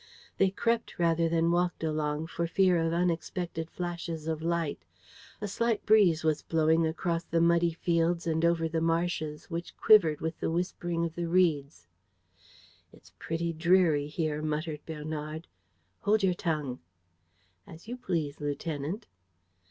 They crept rather than walked along, for fear of unexpected flashes of light. A slight breeze was blowing across the muddy fields and over the marshes, which quivered with the whispering of the reeds. "It's pretty dreary here," muttered Bernard. "Hold your tongue." "As you please, lieutenant."